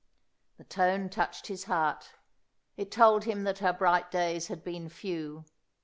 The tone touched his heart. It told him that her bright days had been few.